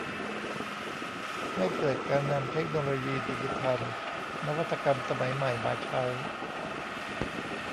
ให้เกิดการนำเทคโนโลยีดิจิทัลนวัตกรรมสมัยใหม่มาใช้